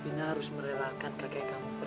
vina harus merelakan kakek kamu pergi